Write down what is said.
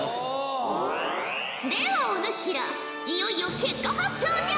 ではお主らいよいよ結果発表じゃ！